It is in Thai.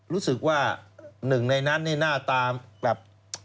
รู้สึกว่าหนึ่งในนั้นนี่หน้าตาแบบ